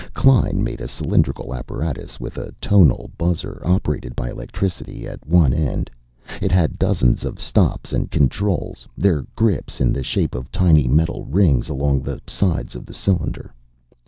Klein made a cylindrical apparatus with a tonal buzzer, operated by electricity, at one end. It had dozens of stops and controls, their grips in the shape of tiny metal rings, along the sides of the cylinder.